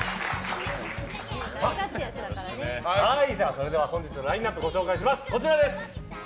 それでは本日のラインアップご紹介します。